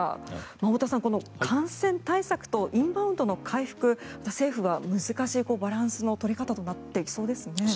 太田さん、感染対策とインバウンドの回復政府は難しいバランスの取り方となっていきそうですね。